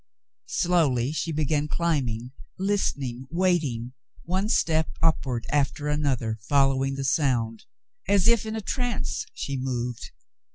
Slowly she began climbing, listening, waiting, one step upward after another, following the sound. As if in a trance she moved.